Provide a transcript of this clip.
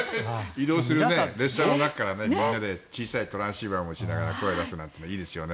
移動する列車の中から小さいトランシーバーを持ちながら声を出すなんて言うのはいいですね。